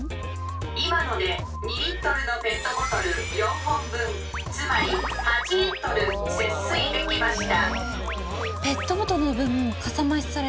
「今ので２リットルのペットボトル４本分つまり８リットル節水できました」。